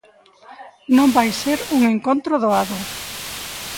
Non vai ser un encontro doado.